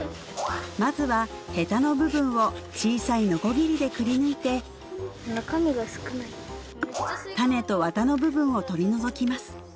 まずはヘタの部分を小さいノコギリでくりぬいて種とワタの部分を取り除きます